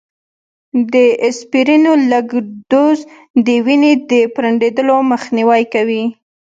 د اسپرينو لږ ډوز، د وینې د پرنډېدلو مخنیوی کوي